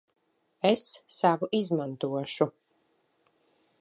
Es savu izmantošu.